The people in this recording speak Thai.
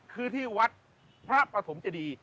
คือที่วัดพระประสมเจดีย์